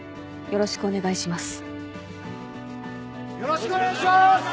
よろしくお願いします！